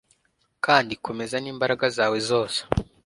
kandi komeza n'imbaraga zawe zose